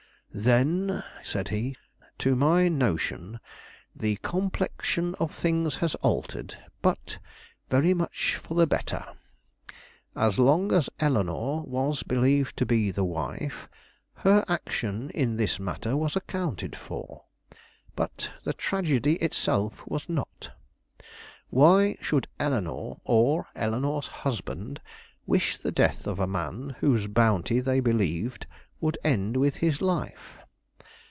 "Then," said he, "to my notion, the complexion of things has altered, but very much for the better. As long as Eleanore was believed to be the wife, her action in this matter was accounted for; but the tragedy itself was not. Why should Eleanore or Eleanore's husband wish the death of a man whose bounty they believed would end with his life?